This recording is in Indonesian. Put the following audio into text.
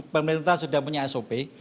pemerintah sudah punya sop